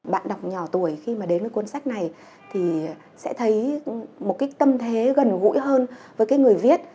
bạn đọc nhỏ tuổi khi mà đến với cuốn sách này thì sẽ thấy một cái tâm thế gần gũi hơn với cái người viết